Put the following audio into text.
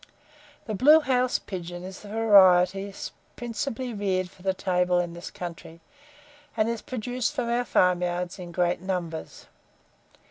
The blue house pigeon is the variety principally reared for the table in this country, and is produced from our farmyards in great numbers.